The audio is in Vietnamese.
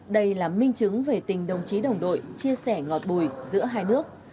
đây là minh chứng về tình đồng chí đồng đội chia sẻ ngọt bùi giữa hai nước